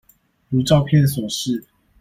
如照片所示